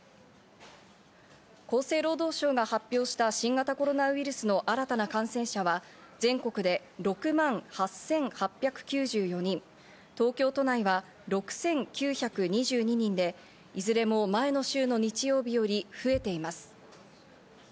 厚生労働省が発表した新型コロナウイルスの新たな感染者は全国で６万８８９４人、東京都内は６９２２人で、いずれも前の週の日曜日より増えています。